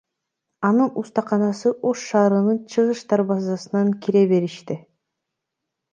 Анын устаканасы Ош шаарынын чыгыш дарбазасынан кире бериште.